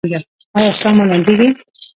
ایا ساه مو لنډیږي؟